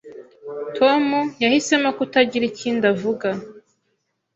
Tom yahisemo kutagira ikindi avuga.